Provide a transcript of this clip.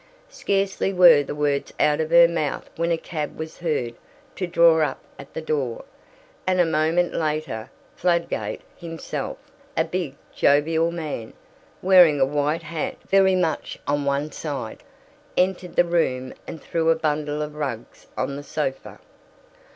Scarcely were the words out of her mouth when a cab was heard to draw up at the door, and a moment later Fladgate himself, a big, jovial man, wearing a white hat very much on one side, entered the room and threw a bundle of rugs on the sofa.